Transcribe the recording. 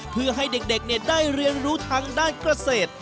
เพื่อให้เด็กได้เรียนรู้ทางด้านเกษตร